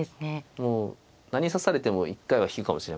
もう何指されても一回は引くかもしれません。